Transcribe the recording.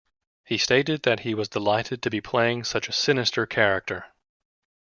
He stated that he was delighted to be playing such a sinister character.